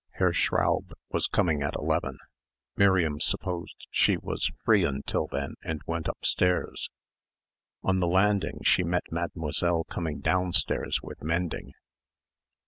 Herr Schraub was coming at eleven. Miriam supposed she was free until then and went upstairs. On the landing she met Mademoiselle coming downstairs with mending.